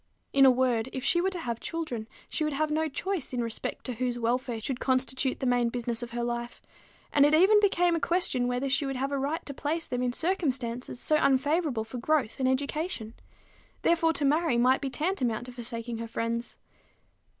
In a word, if she were to have children, she would have no choice in respect to whose welfare should constitute the main business of her life; and it even became a question whether she would have a right to place them in circumstances so unfavorable for growth and education. Therefore, to marry might be tantamount to forsaking her friends.